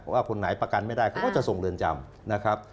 ว่าคนไหนประกันไม่ได้เขาก็จะส่งเรือนจำนะครับ